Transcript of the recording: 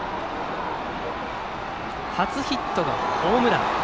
初ヒットがホームラン。